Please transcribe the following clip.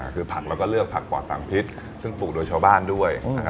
คือผักเราก็เลือกผักปลอดสารพิษซึ่งปลูกโดยชาวบ้านด้วย